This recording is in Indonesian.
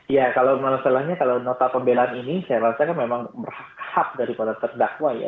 ya kalau masalahnya kalau nota pembelaan ini saya rasa kan memang hak daripada terdakwa ya